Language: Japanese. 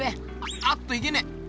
あっといけねえ。